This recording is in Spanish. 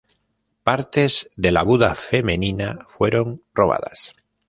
Partes de la Buda femenina fueron robadas.